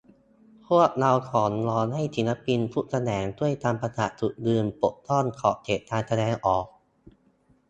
พวกเราขอร้องให้ศิลปินทุกแขนง ช่วยกันประกาศจุดยืน ปกป้องขอบเขตการแสดงออก